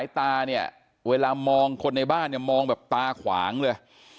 ตาเนี่ยเวลามองคนในบ้านเนี่ยมองแบบตาขวางเลย